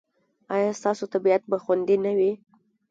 ایا ستاسو طبیعت به خوندي نه وي؟